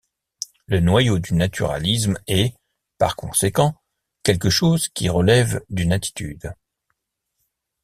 Le noyau du naturalisme est, par conséquent, quelque chose qui relève d'une attitude.